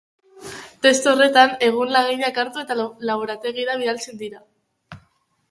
Test horretan, ehun-laginak hartu eta laborategira bidaltzen dira.